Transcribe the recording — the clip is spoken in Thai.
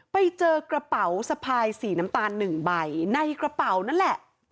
ไปเจอกระเป๋าสะพายสีน้ำตาลหนึ่งใบในกระเป๋านั่นแหละ